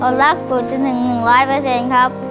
อ่อนรักกูจะถึง๑๐๐ครับ